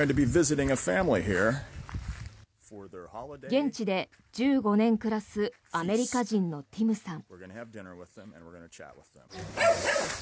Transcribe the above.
現地で１５年暮らすアメリカ人のティムさん。